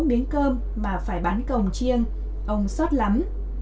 miếng cơm mà phải bán cổng chiêng ông xót lắm